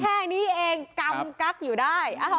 แค่นี้เองกำกั๊กอยู่ได้